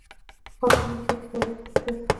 ښارونه د توکو د تولید اصلي ځای شول.